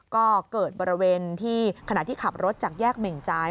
ก็เกิดบริเวณที่ขณะที่ขับรถจากแยกเหม่งจาย